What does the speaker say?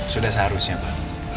sudah seharusnya pak